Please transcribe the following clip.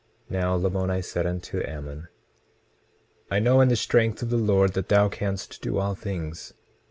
20:4 Now Lamoni said unto Ammon: I know, in the strength of the Lord thou canst do all things.